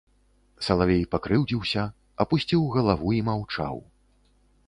Салавей пакрыўдзіўся, апусціў галаву і маўчаў.